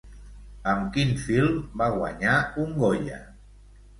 Amb quin film va guanyar un Goya?